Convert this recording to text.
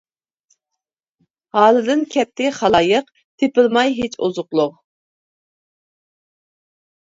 ھالىدىن كەتتى خالايىق، تېپىلماي ھېچ ئوزۇقلۇق.